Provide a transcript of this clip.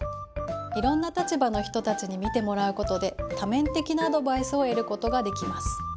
いろんな立場の人たちに見てもらうことで多面的なアドバイスを得ることができます。